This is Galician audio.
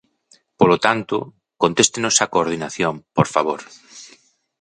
Polo tanto, contéstenos á coordinación, por favor.